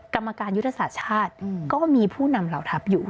กรรมการยุทธศาสตร์ชาติก็มีผู้นำเหล่าทัพอยู่